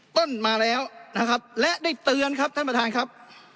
ต้นมาแล้วนะครับและได้เตือนครับท่านประธานครับ